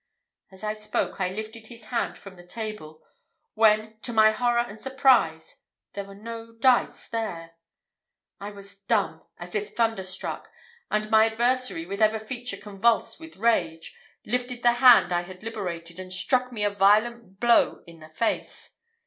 As I spoke, I lifted his hand from the table, when, to my horror and surprise, there were no dice there. I was dumb as if thunderstruck, and my adversary, with every feature convulsed with rage, lifted the hand I had liberated, and struck me a violent blow in the face.